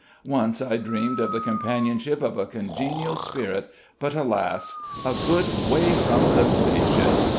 Once I dreamed of the companionship of a congenial spirit, but, alas! 'A good way from the station!'